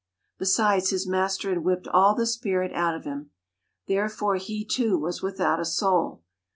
Besides, his master had whipped all the spirit out of him. Therefore he, too, was without a soul.